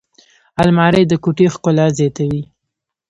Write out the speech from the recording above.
الماري د کوټې ښکلا زیاتوي